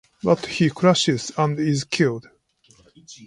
But he crashes and is killed.